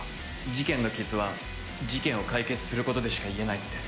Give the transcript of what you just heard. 事件の傷は事件を解決することでしか癒えないって。